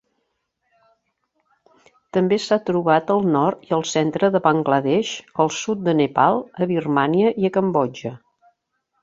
També s'ha trobat al nord i el centre de Bangladesh, al sud de Nepal, a Birmània i a Cambodja.